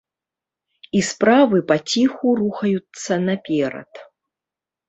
І справы паціху рухаюцца наперад.